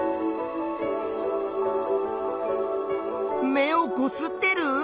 目をこすってる？